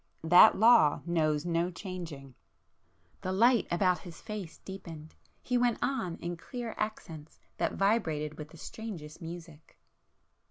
That law knows no changing!" The light about his face deepened,—he went on in clear accents that vibrated with the strangest music.